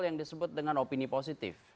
yang disebut dengan opini positif